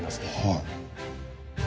はい。